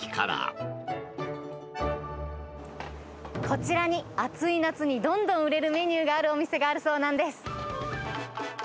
こちらに、暑い夏にどんどん売れるメニューがあるお店があるそうなんです。